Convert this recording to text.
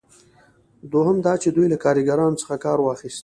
دوهم دا چې دوی له کاریګرانو څخه کار واخیست.